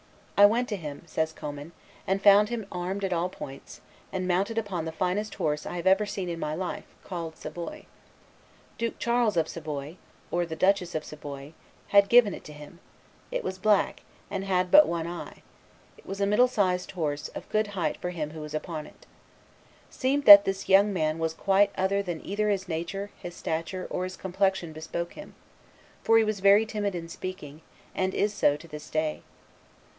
"I went to him," says Commynes, "and found him armed at all points, and mounted upon the finest horse I had ever seen in my life, called Savoy; Duke Charles of Savoy (the Duchess of Savoy,? v. p. 288) had given it him; it was black, and had but one eye; it was a middle sized horse, of good height for him who was upon it. Seemed that this young man was quite other than either his nature, his stature, or his complexion bespoke him, for he was very timid in speaking, and is so to this day.